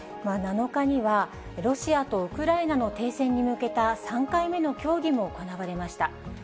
７日には、ロシアとウクライナの停戦に向けた３回目の協議も行われました。